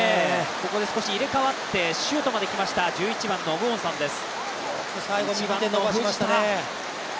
ここで少し入れ替わってシュートまできました、１１番のオム・ウォンサンです。